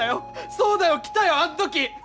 そうだよ来たよあん時！